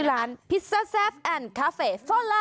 ร้านพิซซ่าแซฟแอนด์คาเฟ่ฟอร์ไลน์